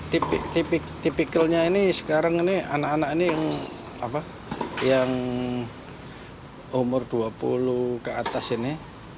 tipik tipikalnya ini sekarang ini anak anak ini yang umur dua puluh ke atas ini